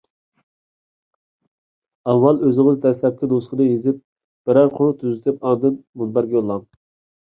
ئاۋۋال ئۆزىڭىز دەسلەپكى نۇسخىسىنى يېزىپ بىرەر قۇر تۈزىتىپ، ئاندىن مۇنبەرگە يوللاڭ.